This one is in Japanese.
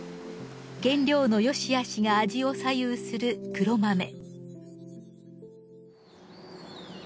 原料の良しあしが味を左右する黒豆。